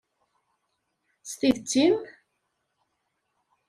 S tidet-im?